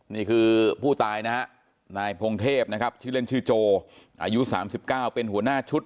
นี่คือผู้ตายนะฮะนายพงเทพนะครับชื่อเล่นชื่อโจอายุ๓๙เป็นหัวหน้าชุด